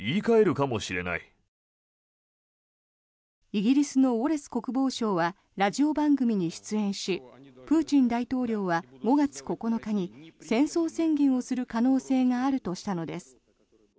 イギリスのウォレス国防相はラジオ番組に出演しプーチン大統領は５月９日に戦争宣言をする可能性があるとしたのです。